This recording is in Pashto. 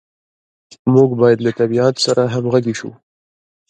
موږ باید له طبیعت سره همغږي شو.